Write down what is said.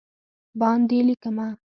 باندې لېکمه